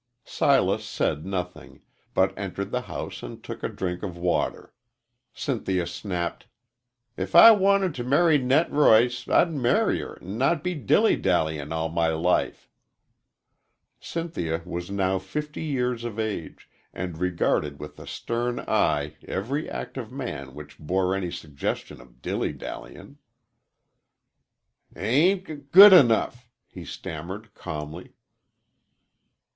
Silas said nothing, but entered the house and took a drink of water. Cynthia snapped: "If I wanted t' marry Net Roice I'd marry 'er an' not be dilly dallyin' all my life." Cynthia was now fifty years of age, and regarded with a stern eye every act of man which bore any suggestion of dilly dallying. "Ain't g good'nough," he stammered, calmly.